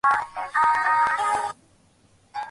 তখন কি দ্বারে দ্বারে চাঁদা সেধে বেড়াতে হবে?